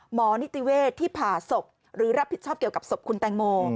นิติเวศที่ผ่าศพหรือรับผิดชอบเกี่ยวกับศพคุณแตงโม